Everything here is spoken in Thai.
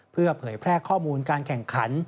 เพื่อเผยแพร่ข้อมูลการแข่งขัน